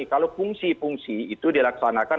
kalau fungsi fungsi itu dilaksanakan